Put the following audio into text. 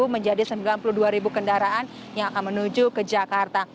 menjadi sembilan puluh dua ribu kendaraan yang akan menuju ke jakarta